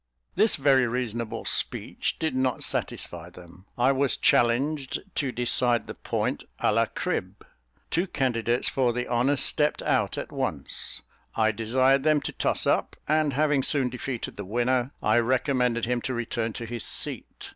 This very reasonable speech did not satisfy them. I was challenged to decide the point à la Cribb; two candidates for the honour stepped out at once. I desired them to toss up; and having soon defeated the winner, I recommended him to return to his seat.